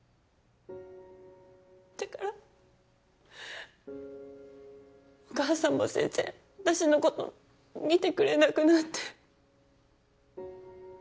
だからお母さんも全然私のこと見てくれなくなって。